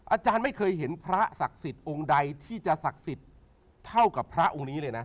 อาจารย์ไม่เคยเห็นพระศักดิ์สิทธิ์องค์ใดที่จะศักดิ์สิทธิ์เท่ากับพระองค์นี้เลยนะ